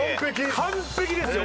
完璧ですよ